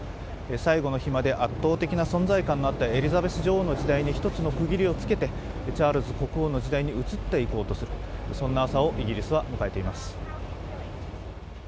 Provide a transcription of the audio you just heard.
最後の日まで圧倒的な存在感があったエリザベス女王の時代に１つの区切りをつけてチャールズ国王の時代に移っていこうとする、そんな朝をイギリスは迎えています。